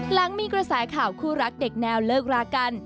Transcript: หลังมีกระแสข่าวคู่รักเด็กแนวเลิกรากัน